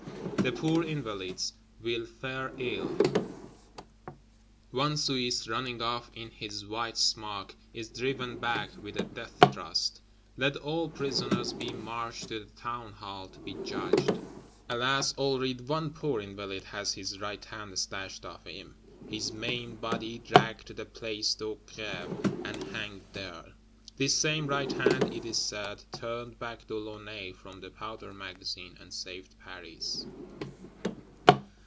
The poor Invalides will fare ill; one Swiss, running off in his white smock, is driven back, with a death thrust. Let all prisoners be marched to the Town hall to be judged! Alas, already one poor Invalide has his right hand slashed off him; his maimed body dragged to the Place de Grève, and hanged there. This same right hand, it is said, turned back De Launay from the Powder Magazine, and saved Paris.